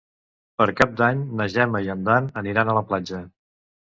Per Cap d'Any na Gemma i en Dan aniran a la platja.